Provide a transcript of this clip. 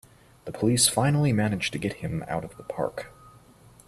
The police finally manage to get him out of the park!